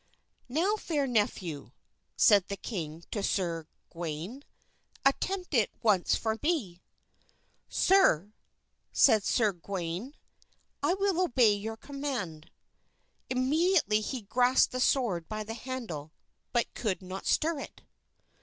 "Now, fair nephew," said the king to Sir Gawain, "attempt it once for me." "Sir," said Sir Gawain, "I will obey your command." Immediately he grasped the sword by the handle, but could not stir it.